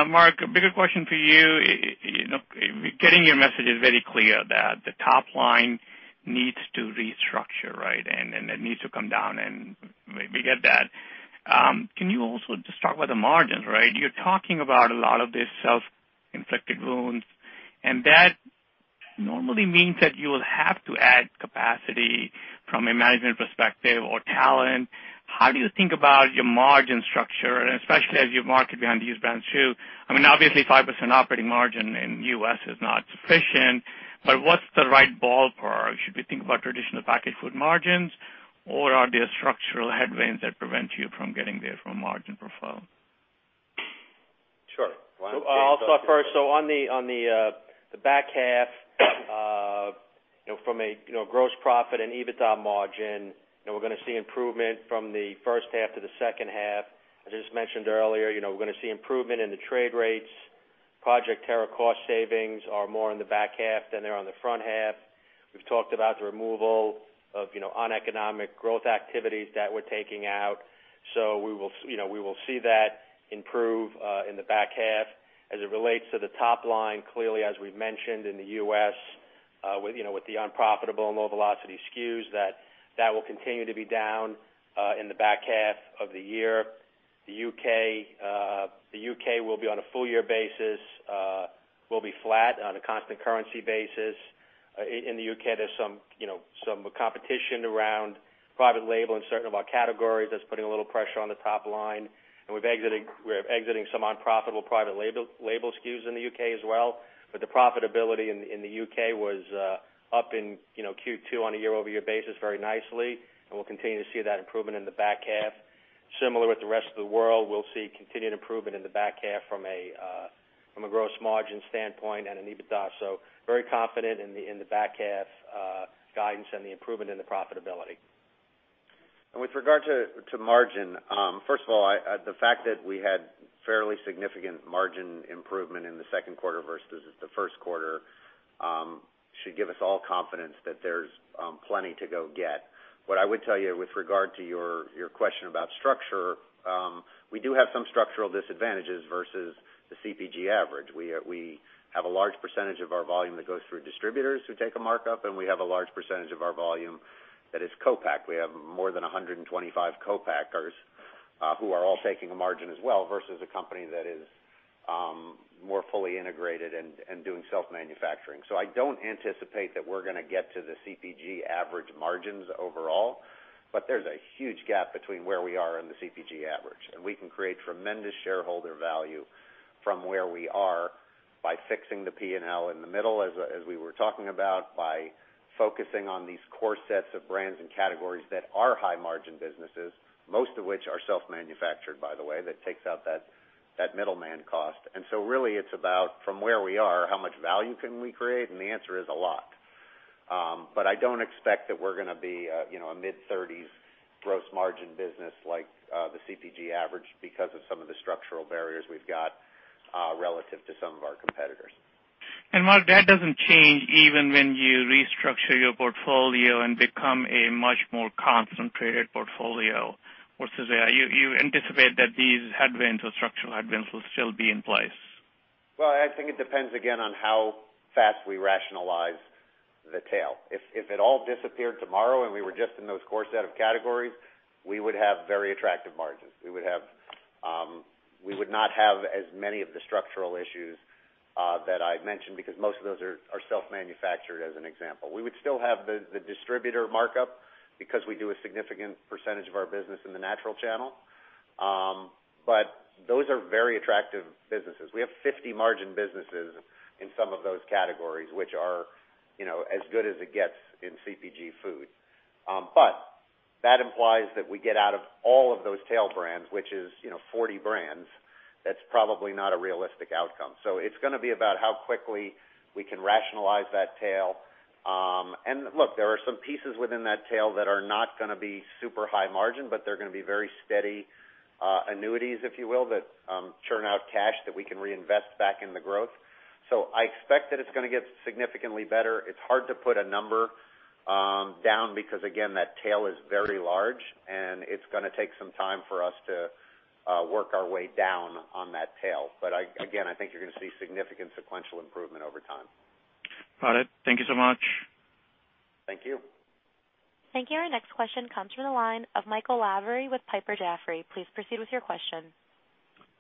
Mark, a bigger question for you. Getting your message is very clear that the top line needs to restructure, right? It needs to come down, and we get that. Can you also just talk about the margins, right? You're talking about a lot of these self-inflicted wounds, and that normally means that you will have to add capacity from a management perspective or talent. How do you think about your margin structure, and especially as you market behind these brands too? I mean, obviously, 5% operating margin in the U.S. is not sufficient, but what's the right ballpark? Should we think about traditional packaged food margins, or are there structural headwinds that prevent you from getting there from a margin profile? Sure. Why don't you take it? I'll start first. On the back half from a gross profit and EBITDA margin, we're going to see improvement from the first half to the second half. As I just mentioned earlier, we're going to see improvement in the trade rates. Project Terra cost savings are more in the back half than they are on the front half. We've talked about the removal of uneconomic growth activities that we're taking out. We will see that improve in the back half. As it relates to the top line, clearly, as we've mentioned, in the U.S. with the unprofitable and low velocity SKUs, that will continue to be down in the back half of the year. The U.K. will be on a full year basis, flat on a constant currency basis. In the U.K., there's some competition around private label in certain of our categories that's putting a little pressure on the top line, and we're exiting some unprofitable private label SKUs in the U.K. as well. The profitability in the U.K. was up in Q2 on a year-over-year basis very nicely, and we'll continue to see that improvement in the back half. Similar with the rest of the world, we'll see continued improvement in the back half from a gross margin standpoint and an EBITDA. Very confident in the back half guidance and the improvement in the profitability. With regard to margin, first of all, the fact that we had fairly significant margin improvement in the second quarter versus the first quarter should give us all confidence that there's plenty to go get. What I would tell you with regard to your question about structure, we do have some structural disadvantages versus the CPG average. We have a large percentage of our volume that goes through distributors who take a markup, and we have a large percentage of our volume that is co-packed. We have more than 125 co-packers who are all taking a margin as well, versus a company that is more fully integrated and doing self-manufacturing. I don't anticipate that we're going to get to the CPG average margins overall. There's a huge gap between where we are and the CPG average, and we can create tremendous shareholder value from where we are by fixing the P&L in the middle, as we were talking about, by focusing on these core sets of brands and categories that are high margin businesses, most of which are self-manufactured, by the way. That takes out that middleman cost. Really it's about from where we are, how much value can we create, and the answer is a lot. I don't expect that we're going to be a mid-30s gross margin business like the CPG average because of some of the structural barriers we've got relative to some of our competitors. Mark, that doesn't change even when you restructure your portfolio and become a much more concentrated portfolio versus all. You anticipate that these headwinds or structural headwinds will still be in place? Well, I think it depends again on how fast we rationalize the tail. If it all disappeared tomorrow and we were just in those core set of categories, we would have very attractive margins. We would not have as many of the structural issues that I've mentioned because most of those are self-manufactured, as an example. We would still have the distributor markup because we do a significant percentage of our business in the natural channel. Those are very attractive businesses. We have 50% margin businesses in some of those categories, which are as good as it gets in CPG food. That implies that we get out of all of those tail brands, which is 40 brands. That's probably not a realistic outcome. It's going to be about how quickly we can rationalize that tail. Look, there are some pieces within that tail that are not going to be super high margin, but they're going to be very steady annuities, if you will, that churn out cash that we can reinvest back in the growth. I expect that it's going to get significantly better. It's hard to put a number down because, again, that tail is very large, and it's going to take some time for us to work our way down on that tail. Again, I think you're going to see significant sequential improvement over time. Got it. Thank you so much. Thank you. Thank you. Our next question comes from the line of Michael Lavery with Piper Sandler. Please proceed with your question.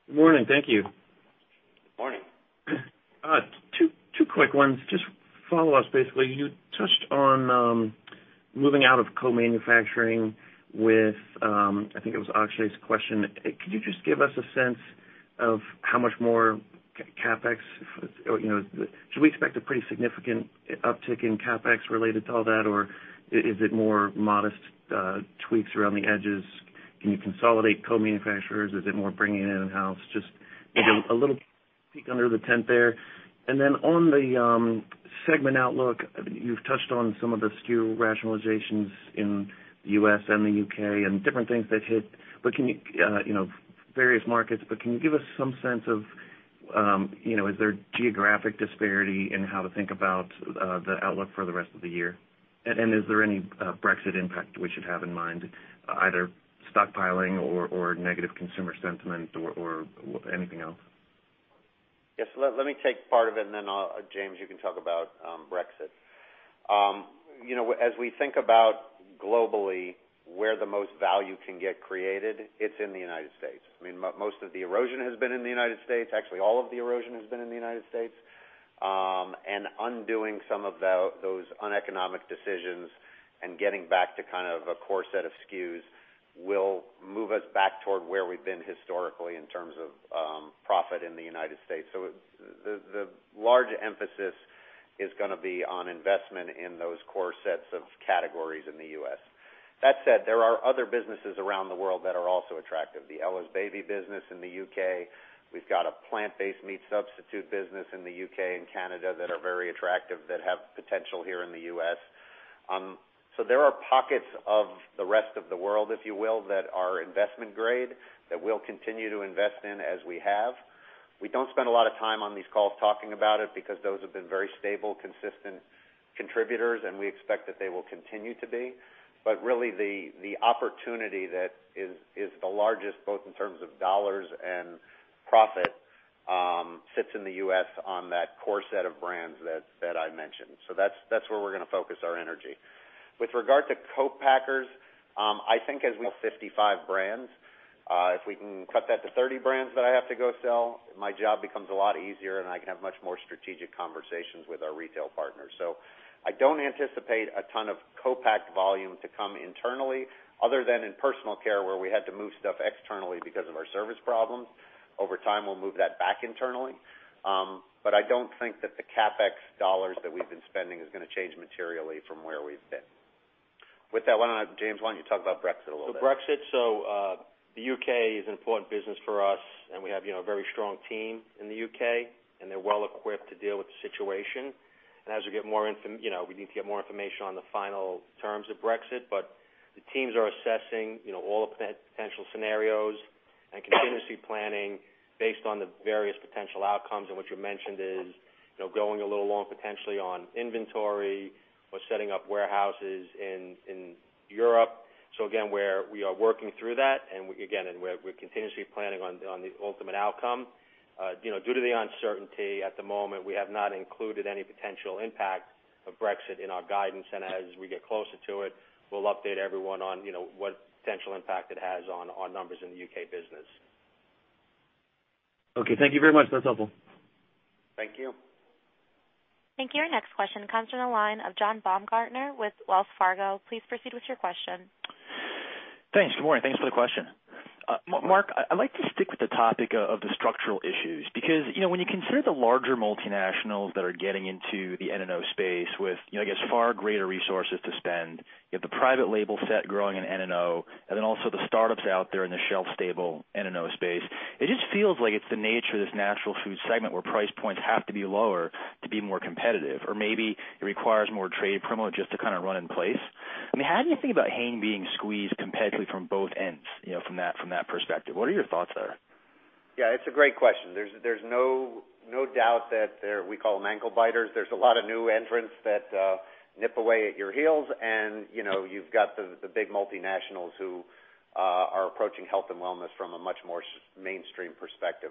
Good morning. Thank you. Good morning. Two quick ones. Just follow us, basically. You touched on moving out of co-manufacturing with, I think it was Akshay's question. Could you just give us a sense of how much more CapEx? Should we expect a pretty significant uptick in CapEx related to all that, or is it more modest tweaks around the edges? Can you consolidate co-manufacturers? Is it more bringing it in-house? Just a little peek under the tent there. On the segment outlook, you've touched on some of the SKU rationalizations in the U.S. and the U.K. and different things that hit various markets. Can you give us some sense of, is there geographic disparity in how to think about the outlook for the rest of the year? Is there any Brexit impact we should have in mind, either stockpiling or negative consumer sentiment or anything else? Yes, let me take part of it, then James, you can talk about Brexit. As we think about globally where the most value can get created, it's in the United States. Most of the erosion has been in the United States. Actually, all of the erosion has been in the United States. Undoing some of those uneconomic decisions and getting back to a core set of SKUs will move us back toward where we've been historically in terms of profit in the United States. The large emphasis is going to be on investment in those core sets of categories in the U.S. That said, there are other businesses around the world that are also attractive. The Ella's Kitchen business in the U.K. We've got a plant-based meat substitute business in the U.K. and Canada that are very attractive, that have potential here in the U.S. There are pockets of the rest of the world, if you will, that are investment grade, that we'll continue to invest in as we have. We don't spend a lot of time on these calls talking about it because those have been very stable, consistent contributors, and we expect that they will continue to be. Really, the opportunity that is the largest, both in terms of dollars and profit, sits in the U.S. on that core set of brands that I mentioned. That's where we're going to focus our energy. With regard to co-packers, I think as we have 55 brands, if we can cut that to 30 brands that I have to go sell, my job becomes a lot easier, and I can have much more strategic conversations with our retail partners. I don't anticipate a ton of co-pack volume to come internally, other than in personal care, where we had to move stuff externally because of our service problems. Over time, we'll move that back internally. I don't think that the CapEx dollars that we've been spending is going to change materially from where we've been. With that one, James, why don't you talk about Brexit a little bit? Brexit, the U.K. is an important business for us. We have a very strong team in the U.K., and they're well equipped to deal with the situation. As we get more information on the final terms of Brexit, the teams are assessing all of the potential scenarios and contingency planning based on the various potential outcomes. What you mentioned is going a little long, potentially on inventory or setting up warehouses in Europe. Again, we are working through that, and we're continuously planning on the ultimate outcome. Due to the uncertainty at the moment, we have not included any potential impact of Brexit in our guidance. As we get closer to it, we'll update everyone on what potential impact it has on our numbers in the U.K. business. Okay. Thank you very much. That's helpful. Thank you. Thank you. Our next question comes from the line of John Baumgartner with Wells Fargo. Please proceed with your question. Thanks. Good morning. Thanks for the question. Mark, I'd like to stick with the topic of the structural issues. When you consider the larger multinationals that are getting into the NNO space with, I guess, far greater resources to spend, you have the private label set growing in NNO, also the startups out there in the shelf stable NNO space. It just feels like it's the nature of this natural food segment, where price points have to be lower to be more competitive, or maybe it requires more trade promo just to kind of run in place. How do you think about Hain being squeezed competitively from both ends, from that perspective? What are your thoughts there? Yeah, it's a great question. There's no doubt that there, we call them ankle biters. There's a lot of new entrants that nip away at your heels, you've got the big multinationals who are approaching health and wellness from a much more mainstream perspective.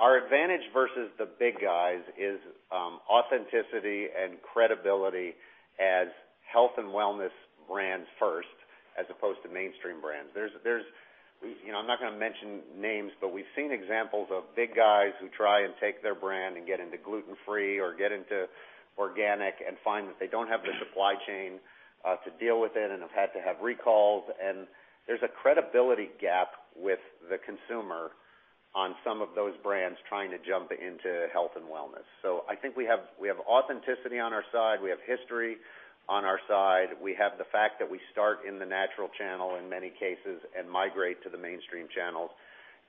Our advantage versus the big guys is authenticity and credibility as health and wellness brands first, as opposed to mainstream brands. I'm not going to mention names, we've seen examples of big guys who try and take their brand and get into gluten-free or get into organic and find that they don't have the supply chain to deal with it and have had to have recalls. There's a credibility gap with the consumer on some of those brands trying to jump into health and wellness. I think we have authenticity on our side. We have history on our side. We have the fact that we start in the natural channel in many cases and migrate to the mainstream channels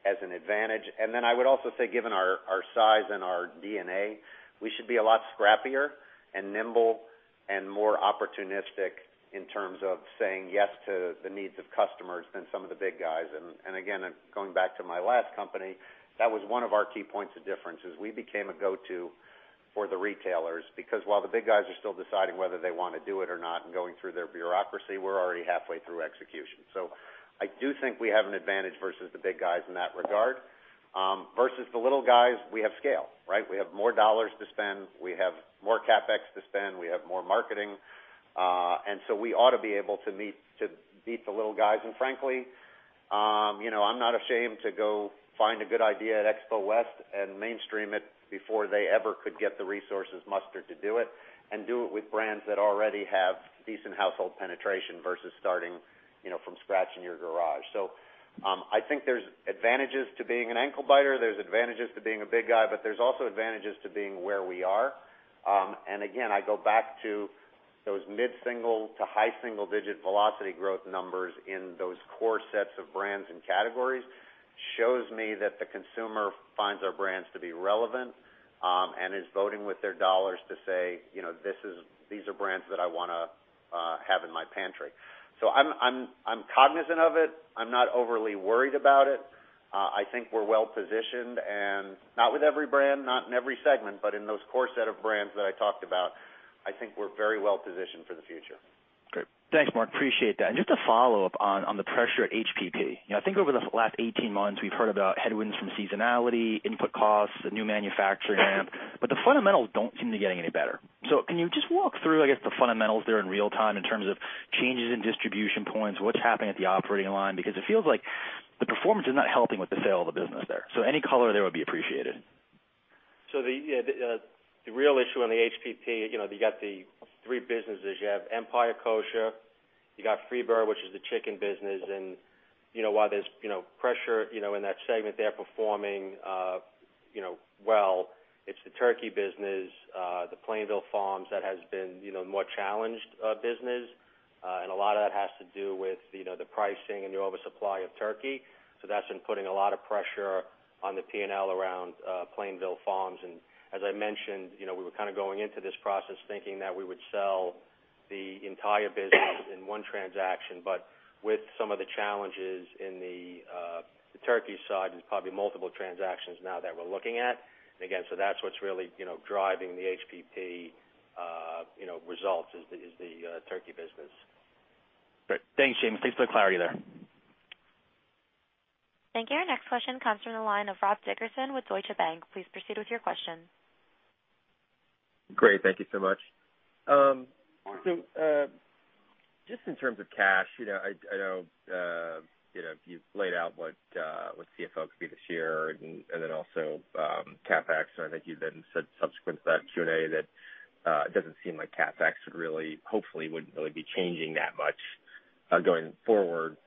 as an advantage. I would also say, given our size and our DNA, we should be a lot scrappier and nimble and more opportunistic in terms of saying yes to the needs of customers than some of the big guys. Again, going back to my last company, that was one of our key points of differences. We became a go-to for the retailers, because while the big guys are still deciding whether they want to do it or not and going through their bureaucracy, we're already halfway through execution. I do think we have an advantage versus the big guys in that regard. Versus the little guys, we have scale, right? We have more dollars to spend. We have more CapEx to spend. We have more marketing. We ought to be able to beat the little guys. Frankly, I'm not ashamed to go find a good idea at Expo West and mainstream it before they ever could get the resources mustered to do it and do it with brands that already have decent household penetration versus starting from scratch in your garage. I think there's advantages to being an ankle biter. There's advantages to being a big guy, there's also advantages to being where we are. Again, I go back to those mid-single to high single digit velocity growth numbers in those core sets of brands and categories, shows me that the consumer finds our brands to be relevant and is voting with their dollars to say, "These are brands that I want to have in my pantry." I'm cognizant of it. I'm not overly worried about it. I think we're well-positioned, not with every brand, not in every segment, but in those core set of brands that I talked about, I think we're very well positioned for the future. Great. Thanks, Mark. Appreciate that. Just a follow-up on the pressure at HPP. I think over the last 18 months, we've heard about headwinds from seasonality, input costs, the new manufacturing AMP, the fundamentals don't seem to be getting any better. Can you just walk through, I guess, the fundamentals there in real time in terms of changes in distribution points, what's happening at the operating line? Because it feels like the performance is not helping with the sale of the business there. Any color there would be appreciated. The real issue on the HPP, you got the three businesses. You have Empire Kosher, you got FreeBird, which is the chicken business. While there's pressure in that segment, they're performing well. It's the turkey business, the Plainville Farms that has been more challenged business. A lot of that has to do with the pricing and the oversupply of turkey. That's been putting a lot of pressure on the P&L around Plainville Farms. As I mentioned, we were going into this process thinking that we would sell the entire business in one transaction, with some of the challenges in the turkey side, there's probably multiple transactions now that we're looking at. Again, that's what's really driving the HPP results is the turkey business. Great. Thanks, Jim. Thanks for the clarity there. Thank you. Our next question comes from the line of Rob Dickerson with Deutsche Bank. Please proceed with your question. Great. Thank you so much. Just in terms of cash, I know you've laid out what CFO could be this year and then also CapEx. I think you then said subsequent to that Q&A that it doesn't seem like CapEx should really, hopefully, wouldn't really be changing that much going forward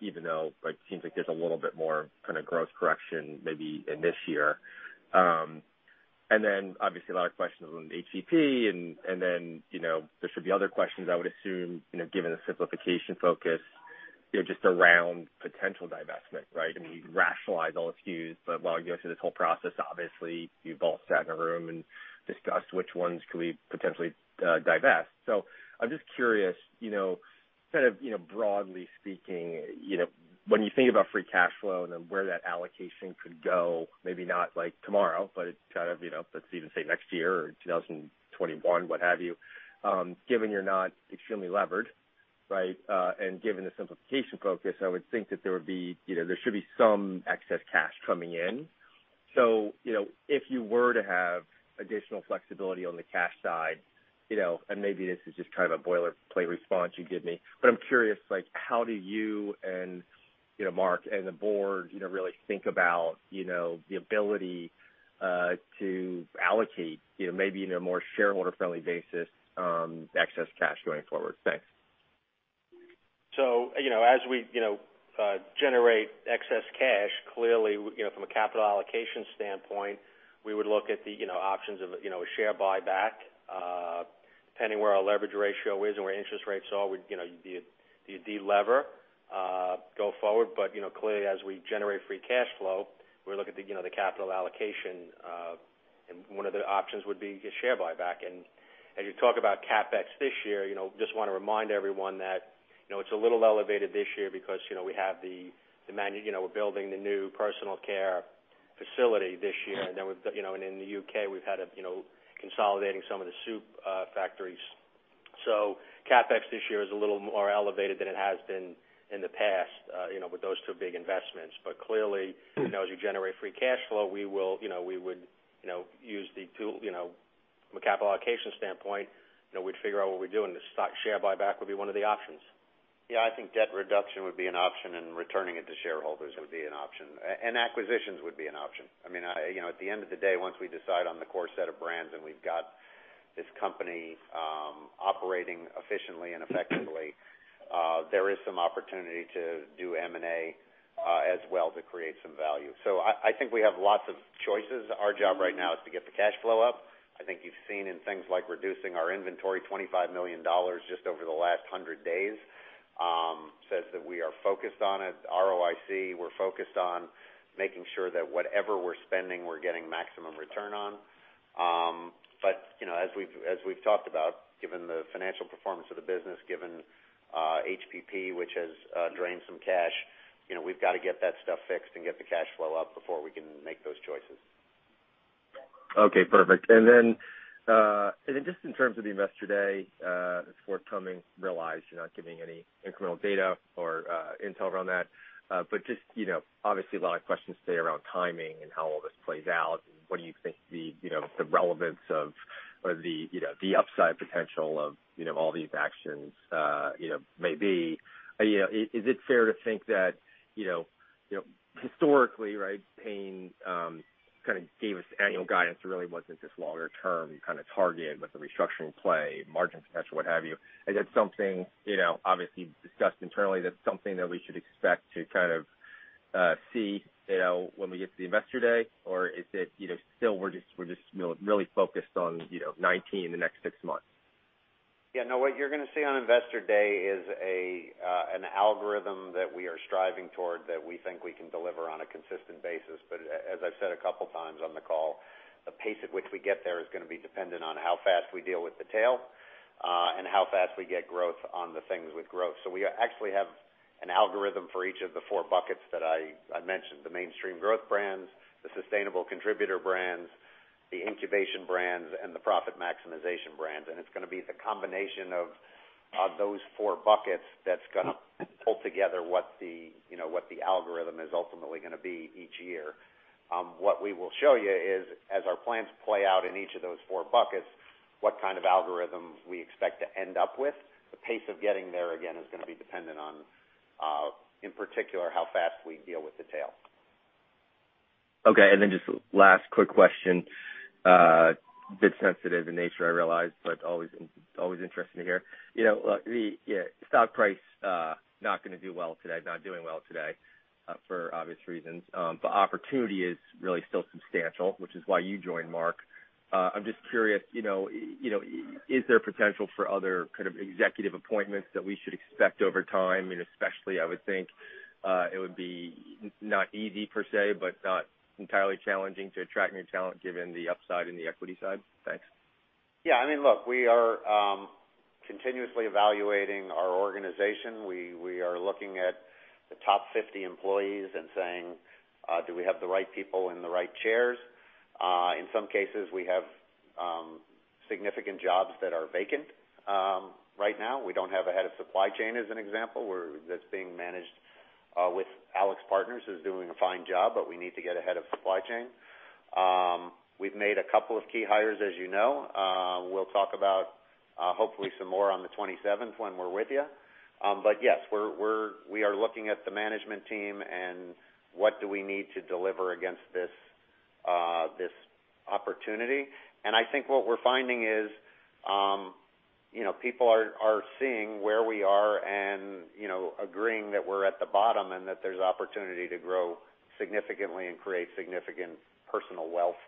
even though it seems like there's a little bit more kind of growth correction maybe in this year. Obviously a lot of questions on HPP and then, there should be other questions I would assume, given the simplification focus, just around potential divestment, right? I mean, you rationalize all the SKUs, but while you go through this whole process, obviously you've all sat in a room and discussed which ones could we potentially divest. I'm just curious, broadly speaking, when you think about free cash flow and then where that allocation could go, maybe not like tomorrow, but it's kind of, let's even say next year or 2021, what have you, given you're not extremely levered, right? Given the simplification focus, I would think that there should be some excess cash coming in. If you were to have additional flexibility on the cash side, and maybe this is just a boilerplate response you give me, but I'm curious, like, how do you and Mark and the board really think about the ability to allocate maybe in a more shareholder-friendly basis, excess cash going forward? Thanks. As we generate excess cash, clearly, from a capital allocation standpoint, we would look at the options of a share buyback, depending where our leverage ratio is and where interest rates are, we'd de-lever, go forward. Clearly as we generate free cash flow, we look at the capital allocation, and one of the options would be a share buyback. As you talk about CapEx this year, just want to remind everyone that it's a little elevated this year because, we're building the new personal care facility this year. In the U.K., we've had consolidating some of the soup factories. CapEx this year is a little more elevated than it has been in the past with those two big investments. Clearly, as we generate free cash flow, we would use the tool from a capital allocation standpoint, we'd figure out what we're doing. The stock share buyback would be one of the options. Yeah, I think debt reduction would be an option and returning it to shareholders would be an option. Acquisitions would be an option. I mean, at the end of the day, once we decide on the core set of brands and we've got this company operating efficiently and effectively, there is some opportunity to do M&A, as well to create some value. I think we have lots of choices. Our job right now is to get the cash flow up. I think you've seen in things like reducing our inventory, $25 million just over the last 100 days, says that we are focused on it, ROIC. We're focused on making sure that whatever we're spending, we're getting maximum return on. As we've talked about, given the financial performance of the business, given HPP, which has drained some cash, we've got to get that stuff fixed and get the cash flow up before we can make those choices. Okay, perfect. Just in terms of the Investor Day, forthcoming, realized you're not giving any incremental data or intel around that. Obviously a lot of questions today around timing and how all this plays out and what do you think the relevance of the upside potential of all these actions may be. Is it fair to think that, historically, right, Hain gave us annual guidance really wasn't this longer term kind of target with the restructuring play, margin potential, what have you. Is that something, obviously you've discussed internally, that's something that we should expect to see when we get to the Investor Day? Or is it still we're just really focused on 2019 in the next six months? What you're going to see on Investor Day is an algorithm that we are striving toward that we think we can deliver on a consistent basis. As I've said a couple times on the call, the pace at which we get there is going to be dependent on how fast we deal with the tail, and how fast we get growth on the things with growth. We actually have an algorithm for each of the four buckets that I mentioned, the mainstream growth brands, the sustainable contributor brands, the incubation brands, and the profit maximization brands. It's going to be the combination of those four buckets that's going to pull together what the algorithm is ultimately going to be each year. What we will show you is, as our plans play out in each of those four buckets, what kind of algorithms we expect to end up with. The pace of getting there again is going to be dependent on, in particular, how fast we deal with the tail. Okay. Just last quick question, a bit sensitive in nature, I realize, but always interesting to hear. The stock price not going to do well today, not doing well today, for obvious reasons. Opportunity is really still substantial, which is why you joined Mark. I'm just curious, is there potential for other kind of executive appointments that we should expect over time? Especially, I would think, it would be not easy per se, but not entirely challenging to attract new talent given the upside in the equity side? Thanks. Yeah, look, we are continuously evaluating our organization. We are looking at the top 50 employees and saying, "Do we have the right people in the right chairs?" In some cases, we have significant jobs that are vacant right now. We don't have a head of supply chain, as an example, where that's being managed with AlixPartners, who's doing a fine job, but we need to get a head of supply chain. We've made a couple of key hires, as you know. We'll talk about hopefully some more on the 27th when we're with you. Yes, we are looking at the management team and what do we need to deliver against this opportunity. I think what we're finding is people are seeing where we are and agreeing that we're at the bottom and that there's opportunity to grow significantly and create significant personal wealth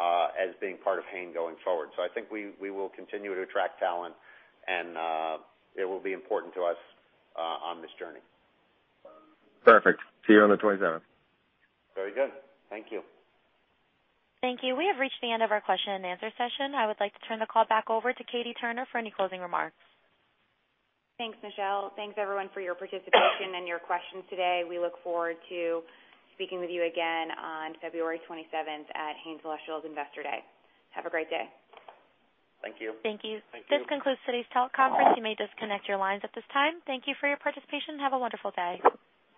as being part of Hain going forward. I think we will continue to attract talent, and it will be important to us on this journey. Perfect. See you on the 27th. Very good. Thank you. Thank you. We have reached the end of our question and answer session. I would like to turn the call back over to Katie Turner for any closing remarks. Thanks, Michelle. Thanks everyone for your participation and your questions today. We look forward to speaking with you again on February 27th at Hain Celestial's Investor Day. Have a great day. Thank you. Thank you. Thank you. This concludes today's teleconference. You may disconnect your lines at this time. Thank you for your participation. Have a wonderful day.